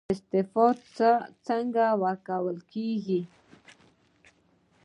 استعفا څنګه ورکول کیږي؟